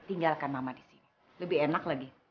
tinggalkan nama di sini lebih enak lagi